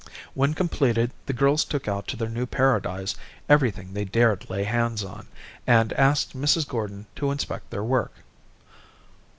When completed, the girls took out to their new paradise everything they dared lay hands on, and asked Mrs. Gordon to inspect their work.